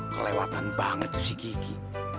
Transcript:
kelewatan banget tuh si kiki